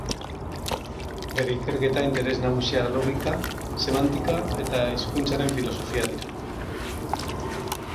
Bere ikerketa-interes nagusiak logika, semantika eta hizkuntzaren filosofia dira.